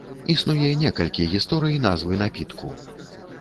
Існуе некалькі гісторый назвы напітку.